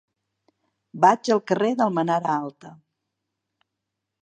Vaig al carrer d'Almenara Alta.